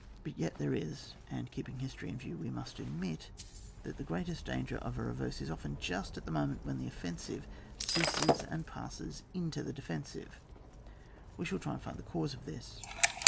But yet there is, and keeping history in view, we must admit that the greatest danger of a reverse is often just at the moment when the offensive ceases and passes into the defensive. We shall try to find the cause of this.